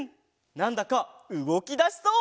なんだかうごきだしそう！